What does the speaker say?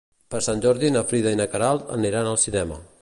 Per Sant Jordi na Frida i na Queralt aniran al cinema.